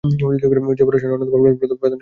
জৈব রসায়নের অন্যতম প্রধান শাখা প্রাণরসায়ন।